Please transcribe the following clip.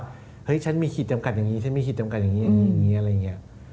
เฮ้ยฉันมีขีดจำกัดอย่างนี้ฉันมีขีดจำกัดอย่างนี้อย่างนี้อะไรอย่างนี้